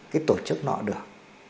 cái tổ chức nọ được